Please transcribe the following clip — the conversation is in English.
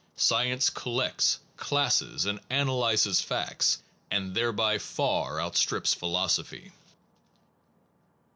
Sci ence collects, classes, and analyzes facts, and thereby far outstrips philosophy.